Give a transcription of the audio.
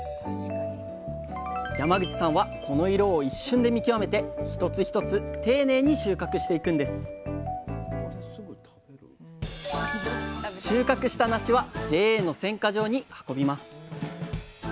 山口さんはこの色を一瞬で見極めて一つ一つ丁寧に収穫していくんです収穫したなしはＪＡの選果場に運びます。